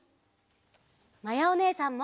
まやおねえさんも！